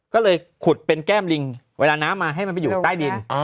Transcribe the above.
ก็เลยขุดเป็นแก้มลิงเวลาน้ำมาให้มันไปอยู่ใต้ดิน